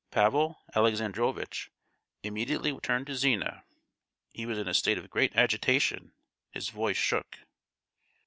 Pavel Alexandrovitch immediately turned to Zina. He was in a state of great agitation; his voice shook.